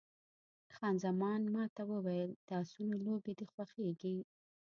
خان زمان ما ته وویل، د اسونو لوبې دې خوښېږي؟